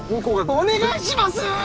お願いします！！